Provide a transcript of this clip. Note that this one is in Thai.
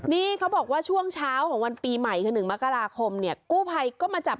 นี่เขาบอกว่าช่วงเช้าของวันปีใหม่คือ๑มกราคมเนี่ยกู้ภัยก็มาจับ